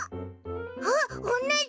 あっおんなじ！